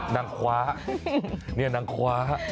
นางคว้านางขว้า